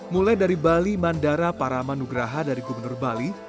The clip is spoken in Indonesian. mulai dari bali mandara paramanugraha dari gubernur bali